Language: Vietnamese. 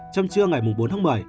trong trưa ngày bốn tháng một mươi